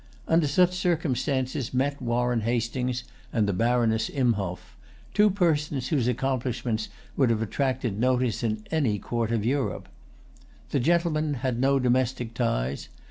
Under such circumstances met Warren Hastings and the Baroness Imhoff, two persons whose accomplishments would have attracted notice in any court of Europe. The gentleman[Pg 126] had no domestic ties.